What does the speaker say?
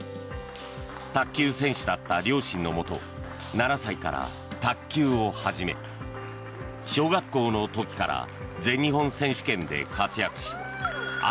卓球選手だった両親のもと７歳から卓球を始め小学校の時から全日本選手権で活躍し愛